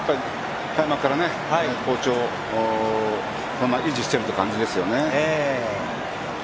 開幕から好調を維持している感じですよね。